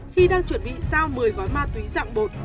khi đang chuẩn bị giao một mươi gói ma túy dạng bột